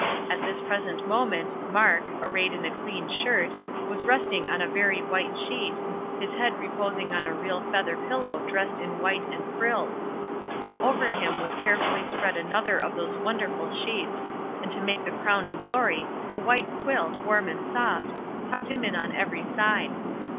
At this present moment, Mark, arrayed in a clean shirt, was resting on a very white sheet, his head reposing on a real feather pillow dressed in white and frilled. Over him was carefully spread another of those wonderful sheets, and to make the crowning glory, a white quilt, warm and soft, tucked him in on every side.